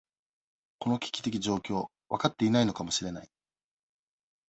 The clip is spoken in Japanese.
この危機的状況、分かっていないのかもしれない。